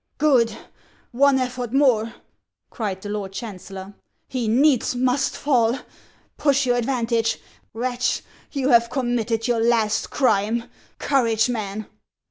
" Good ! one effort more !" cried the lord chancellor ;" he needs must fall ; push your advantage ! Wretch, you have committed your last crime. Courage, men